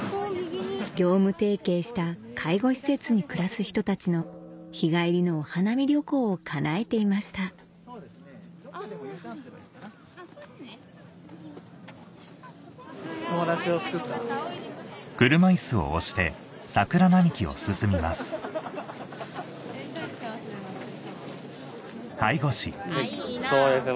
業務提携した介護施設に暮らす人たちの日帰りのお花見旅行を叶えていましたそうですね